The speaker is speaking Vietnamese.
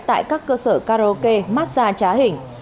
tại các cơ sở karaoke massage trá hình